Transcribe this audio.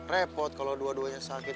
repot kalau dua duanya sakit